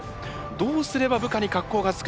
どうすれば部下に格好がつくのか。